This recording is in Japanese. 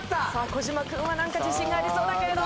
小島君はなんか自信がありそうだけれど。